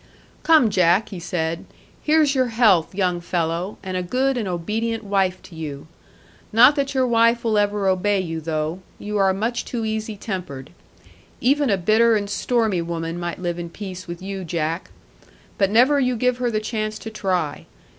'Come, Jack,' he said, 'here's your health, young fellow, and a good and obedient wife to you. Not that your wife will ever obey you though; you are much too easy tempered. Even a bitter and stormy woman might live in peace with you, Jack. But never you give her the chance to try.